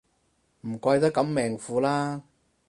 唔怪得咁命苦啦